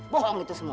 bohong itu semua